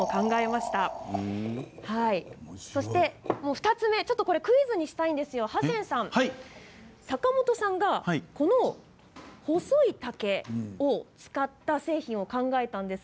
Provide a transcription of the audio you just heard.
２つ目、クイズにしたいんですがハセンさん、坂元さんがこの細い竹を使った製品を考えたんです。